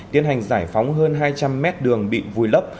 tiến hành giải phóng hơn hai trăm linh mét đường bị vùi lấp